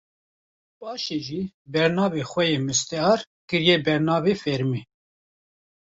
paşê jî bernavê xwe yê mustear kiriye bernavê fermî